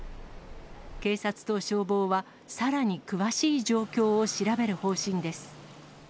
警察と消防は、さらに詳しい状況を調べる方針です。